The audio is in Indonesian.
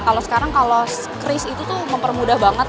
kalo sekarang kalo skris itu tuh mempermudah banget